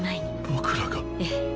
僕らが？ええ。